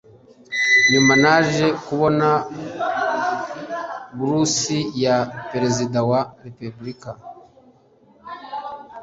nyuma naje kubona burusi ya perezida wa repubulika